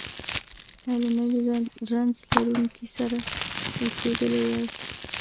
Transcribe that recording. ایا له نري رنځ لرونکي سره اوسیدلي یاست؟